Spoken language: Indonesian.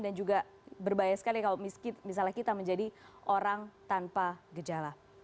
dan juga berbahaya sekali kalau misalnya kita menjadi orang tanpa gejala